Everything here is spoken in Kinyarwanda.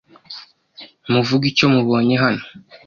muvuge icyo mubonye hano